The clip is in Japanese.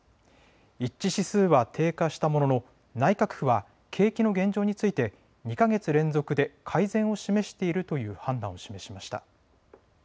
一致指数は低下したものの内閣府は景気の現状について２か月連続で改善を示しているという判断を示しました。